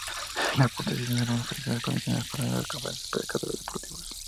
En la punta existen algunas facilidades acondicionadas para el acampe para pescadores deportivos.